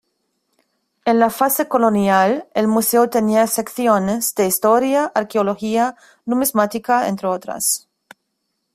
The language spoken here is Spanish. En la fase colonial el museo tenía secciones, de historia, arqueología, numismática, entre otras.